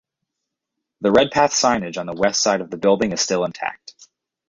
The Redpath signage on the West side of the building is still intact.